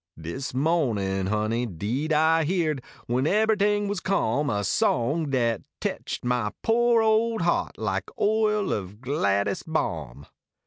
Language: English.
l)is niohnin , honey, deed I heerd, When ebberyt ing was calm, A song dat tetched niah po ole heart Like oil of gladest balm.